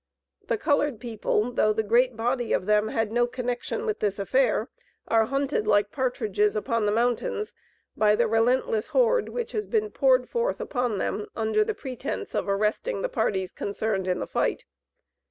The colored people, though the great body of them had no connection with this affair, are hunted like partridges upon the mountains, by the relentless horde which has been poured forth upon them, under the pretense of arresting the parties concerned in the fight.